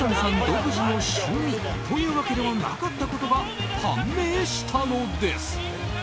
独自の趣味というわけではなかったことが判明したのです。